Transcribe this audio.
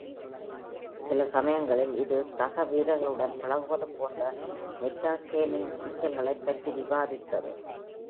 சில சமயங்களில் இது, சக வீரர்களுடன் பழகுவது போன்ற "மெட்டா-கேமிங்" சிக்கல்களைப் பற்றி விவாதித்தது.